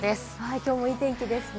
きょうもいい天気ですね。